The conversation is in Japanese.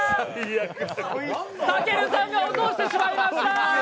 たけるさんが落としてしまいました。